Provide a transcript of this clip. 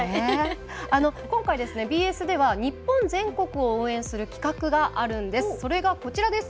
今回、ＢＳで日本全国を応援する企画があるんです。